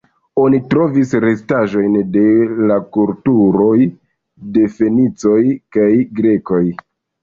Oni trovis restaĵojn de la kulturoj de fenicoj kaj grekoj.